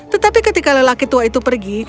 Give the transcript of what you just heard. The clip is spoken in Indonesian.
tetapi ketika lelaki tua itu pergi